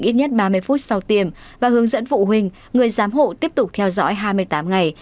ít nhất ba mươi phút sau tiêm và hướng dẫn phụ huynh người giám hộ tiếp tục theo dõi hai mươi tám ngày